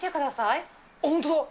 本当だ。